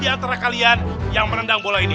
siapa diantara kalian yang menendang bola ini